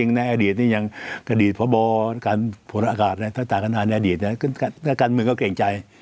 ในอดีตพวกอากาศในในอดีตให้การเมืองเข้าไปเก่งใจ